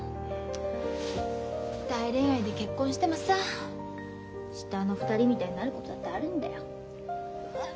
大恋愛で結婚してもさ下の２人みたいになることだってあるんだよ。